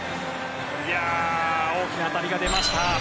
大きな当たりが出ました。